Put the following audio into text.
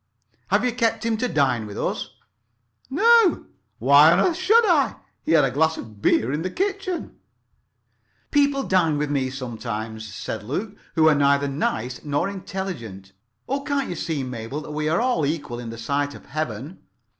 "Have you kept him to dine with us?" "No. Why on earth should I? He had a glass of beer in the kitchen." "People dine with me sometimes," said Luke, "who are neither nice nor intelligent. Oh, can't you see, Mabel, that we are all equal in the sight of Heaven?"